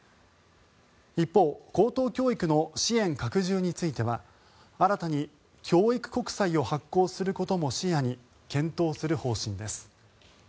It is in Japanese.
一方、高等教育の支援拡充については新たに教育国債を発行することも視野に検討する方針です。